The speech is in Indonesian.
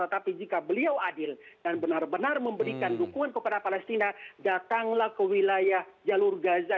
tetapi jika beliau adil dan benar benar memberikan dukungan kepada palestina datanglah ke wilayah jalur gaza